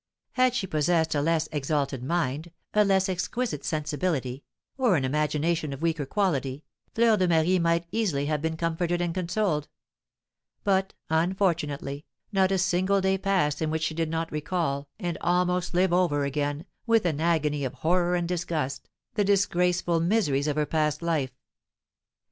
Had she possessed a less exalted mind, a less exquisite sensibility, or an imagination of weaker quality, Fleur de Marie might easily have been comforted and consoled; but, unfortunately, not a single day passed in which she did not recall, and almost live over again, with an agony of horror and disgust, the disgraceful miseries of her past life.